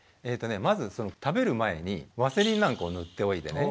まず食べる前にワセリンなんかを塗っておいてね